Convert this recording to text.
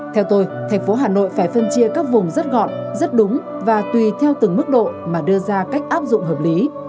theo tôi thành phố hà nội phải phân chia các vùng rất gọn rất đúng và tùy theo từng mức độ mà đưa ra cách áp dụng hợp lý